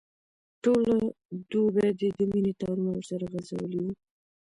ټوله دوبي دي د مینې تارونه ورسره غځولي وو.